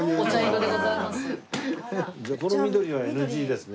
じゃあこの緑はＮＧですね。